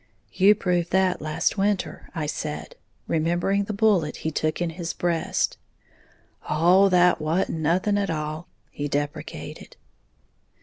"You proved that last winter," I said, remembering the bullet he took in his breast. "Oh, that wa'n't nothing at all," he deprecated.